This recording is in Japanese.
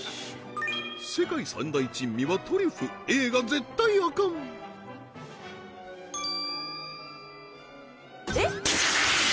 世界三大珍味はトリュフＡが絶対アカンえっ？